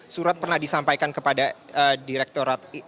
surat pernah disampaikan kepada direkturat